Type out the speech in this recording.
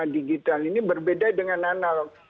digital ini berbeda dengan analog